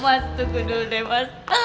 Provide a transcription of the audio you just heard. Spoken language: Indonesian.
mas tuku dulu deh mas